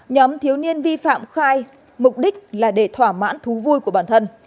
nhóm thiếu niên vi phạm khai mục đích là để thỏa mãn thú vui của bản thân